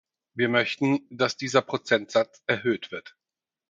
Wir möchten, dass dieser Prozentsatz erhöht wird.